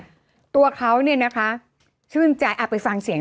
อะไรด้วยเพราะว่าอ่าทั้งพ่อทครัวพ่อแม่เนี่ย